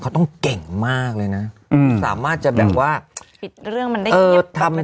เขาต้องเก่งมากเลยนะอืมสามารถจะแบบว่าผิดเรื่องมันได้หยุดทำเลย